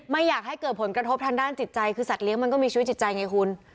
ไม่อยากให้เกิดผลกระทบทางด้านจิตใจคือสัตเลี้ยมันก็มีชีวิตจิตใจไงคุณ